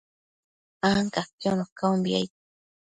ancaquiono caumbi, aid